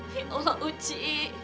ya allah uci